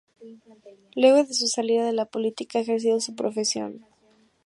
Luego de su salida de la política, ha ejercido su profesión.